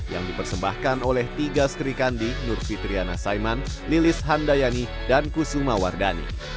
yang dipersembahkan oleh tiga serikandi nur fitriana saiman lilis handayani dan kusuma wardani